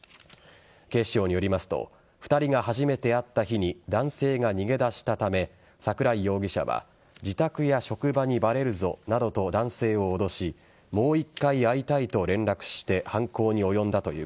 警視庁によりますと２人が初めて会った日に男性が逃げ出したため桜井容疑者は自宅や職場にばれるぞなどと男性を脅しパッとツヤっとピーン！